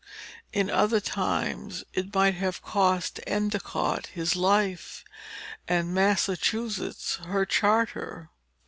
In other times, it might have cost Endicott his life, and Massachusetts her charter.